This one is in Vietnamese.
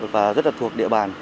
và rất là thuộc địa bàn